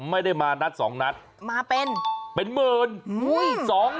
ไม่ได้มานัดสองนัดมาเป็นเป็นหมื่น